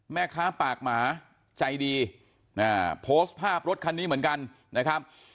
แม่ค้าปากหมาใจดีโพสต์ภาพรถคันนี้เหมือนกันนะครับ